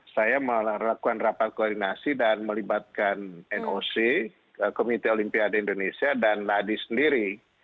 saya melakukan rapat koordinasi dan melibatkan noc komite olimpiade indonesia dan ladi sendiri